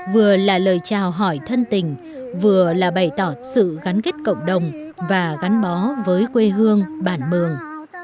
vừa là lời chào hỏi thân tình vừa là bày tỏ sự gắn kết cộng đồng và gắn bó với quê hương bản mường